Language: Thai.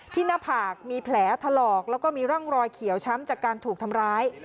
หน้าผากมีแผลถลอกแล้วก็มีร่องรอยเขียวช้ำจากการถูกทำร้าย